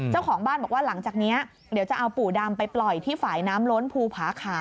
เจ้าของบ้านบอกว่าหลังจากนี้เดี๋ยวจะเอาปู่ดำไปปล่อยที่ฝ่ายน้ำล้นภูผาขา